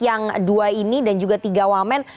yang dua ini dan juga tiga wamen